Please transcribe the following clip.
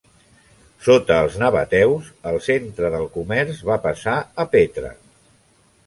Sota els nabateus el centre del comerç va passar a Petra.